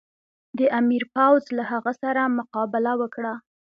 د امیر پوځ له هغه سره مقابله وکړه.